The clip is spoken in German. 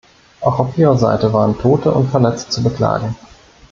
Auch auf ihrer Seite waren Tote und Verletzte zu beklagen.